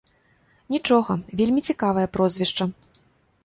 Нічога, вельмі цікавае прозвішча.